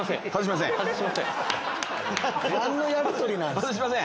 何のやりとりなん？